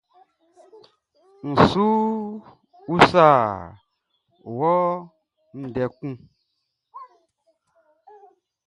N su usa wɔ ndɛ kun.